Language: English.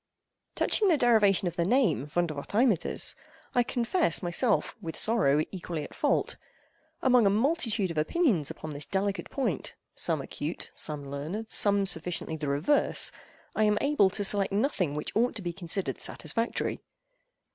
Touching the derivation of the name Vondervotteimittiss, I confess myself, with sorrow, equally at fault. Among a multitude of opinions upon this delicate point—some acute, some learned, some sufficiently the reverse—I am able to select nothing which ought to be considered satisfactory.